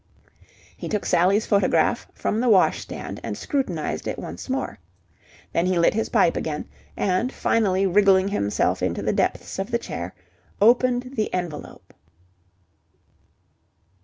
He took Sally's photograph from the wash stand and scrutinized it once more. Then he lit his pipe again, and, finally, wriggling himself into the depths of the chair, opened the envelope.